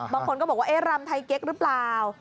บางคนก็บอกว่ารำไทยเก๊กหรือเปล่า